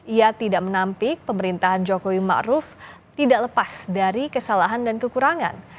ia tidak menampik pemerintahan jokowi ⁇ maruf ⁇ tidak lepas dari kesalahan dan kekurangan